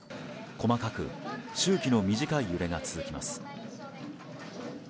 細かく周期の短い揺れが続きます。